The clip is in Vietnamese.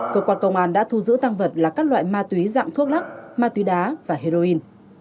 cơ quan công an đã thu giữ tăng vật là các loại ma túy dạng thuốc lắc ma túy đá và heroin